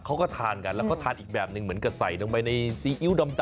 เขาก็ทานกันแล้วเขาทานอีกแบบหนึ่งเหมือนกับใส่ลงไปในซีอิ๊วดำ